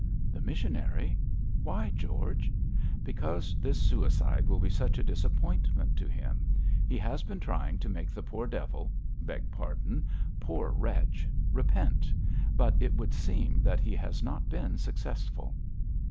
'The missionary! Why, George?' 'Because this suicide will be such a disappointment to him. He has been trying to make the poor devil beg pardon poor wretch repent; but it would seem that he has not been successful.'